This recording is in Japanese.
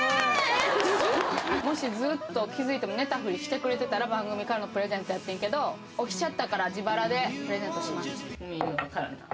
もし、ずっと気付いても寝たふりしてくれてたら、番組からのプレゼントやってんけど、起きちゃったから、自腹でプレゼントします。